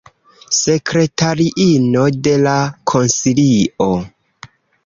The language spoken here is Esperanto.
Sekretariino de la konsilio.